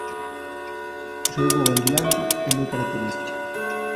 O seu voo ondulante é moi característico.